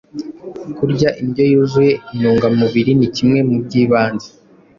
Kurya indyo yuzuye intungamubiri ni kimwe mu by’ibanze